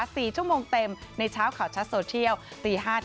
สี่ชั่วโมงเต็มในเช้าข่าวชัดโซเชียลตีห้า